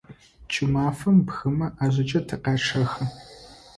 КӀымафэм бгымэ ӀажэкӀэ тыкъячъэхы.